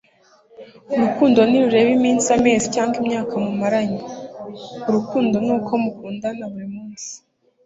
urukundo ntirureba iminsi, amezi, cyangwa imyaka mumaranye. urukundo ni uko mukundana buri munsi